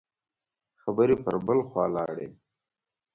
خبرې پر بل خوا لاړې.